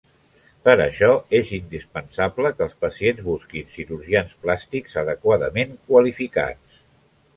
Per això és indispensable que els pacients busquin cirurgians plàstics adequadament qualificats.